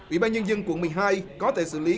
ủy ban nhân dân quận một mươi hai có thể xử lý